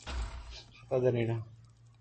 সাঁতার জানি না!